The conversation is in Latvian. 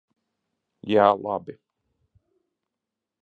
Jā, labi.